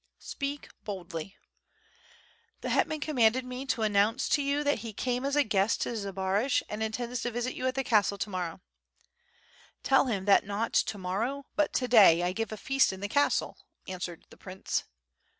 "Speak boldly." "The hetman commanded me to announce to you that he came as a guest to Zbaraj and intends to visit you at the castle to morrow." "Tell him that not to morrow, but to day, I give a feast in the castle," answered the prince.